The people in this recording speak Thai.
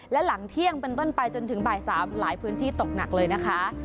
และหลังเที่ยงเป็นต้นไปจนถึงบ่าย๓หลายพื้นที่ตกหนักเลยนะคะ